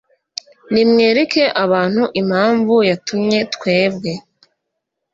Nimwereke abantu impamvu yatumye twebwe